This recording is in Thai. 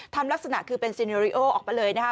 ทำลักษณะคือเป็นซีเนอเรียลออกไปเลยนะฮะ